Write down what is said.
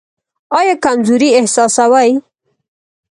ایا کمزوري احساسوئ؟